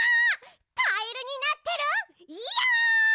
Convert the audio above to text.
カエルになってるよ！